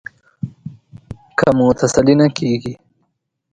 که مو تسلي نه کېږي.